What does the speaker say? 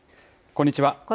こんにちは。